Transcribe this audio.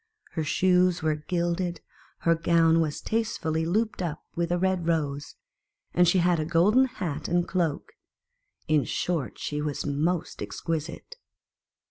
Her shoes were gilded, her gown was tastefully looped up with a red rose, and she had a golden hat and cloak ; in short, she was most ex quisite.